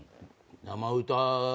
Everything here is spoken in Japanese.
生歌。